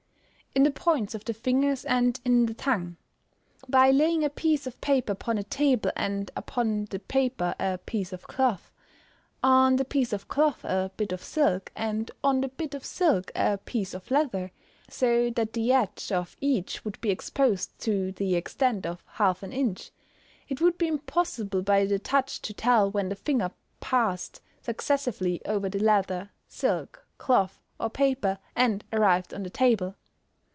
_ In the points of the fingers and in the tongue. By laying a piece of paper upon a table, and upon the paper a piece of cloth, on the piece of cloth a bit of silk, and on the bit of silk a piece of leather, so that the edge of each would be exposed to the extent of half an inch, it would be possible by the touch to tell when the finger passed successively over the leather, silk, cloth, or paper, and arrived on the table.